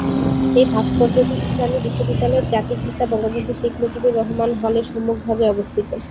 এই ভাস্কর্যটি ইসলামী বিশ্ববিদ্যালয়ের জাতির পিতা বঙ্গবন্ধু শেখ মুজিবুর রহমান হলের সম্মুখভাগে অবস্থিত।